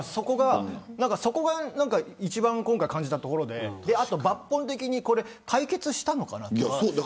そこが一番今回感じたところであとは抜本的に解決したのかなという。